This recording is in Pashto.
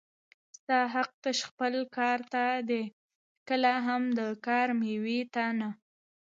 ستا حق تش خپل کار ته دی کله هم د کار مېوې ته نه